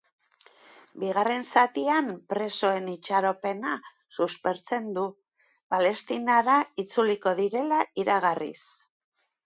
Bigarren zatian, presoen itxaropena suspertzen du, Palestinara itzuliko direla iragarriz.